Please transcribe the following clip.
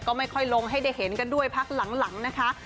ก็ไม่ค่อยลงให้ได้เห็นกันด้วยพักหลังนะคะ